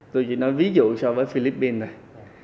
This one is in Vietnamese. tôi chỉ nói ví dụ so với philippines này